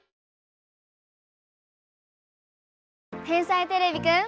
天才てれびくん。